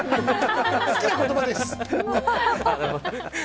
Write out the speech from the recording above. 好きな言葉です！